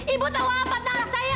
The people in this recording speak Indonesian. ibu tahu apa menolak saya